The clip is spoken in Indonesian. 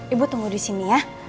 ibu tunggu disini ya